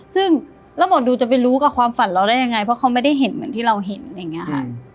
ซึ่งแล้วหมอดูจะไปรู้กับความฝันเราได้ยังไงเพราะเขาไม่ได้เห็นเหมือนที่เราเห็นอย่างนี้ค่ะ